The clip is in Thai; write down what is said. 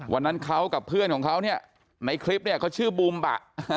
วันนั้นเขากับเพื่อนของเขาเนี่ยในคลิปเนี่ยเขาชื่อบูมบะ